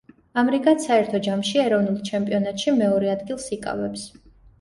ამრიგად, საერთო ჯამში ეროვნულ ჩემპიონატში მეორე ადგილს იკავებს.